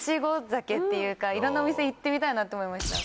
酒っていうかいろんなお店行ってみたいなと思いました。